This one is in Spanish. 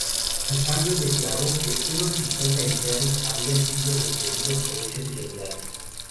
En cambio, declaró que unos cincuenta empleados habían sido despedidos por hechos irregulares.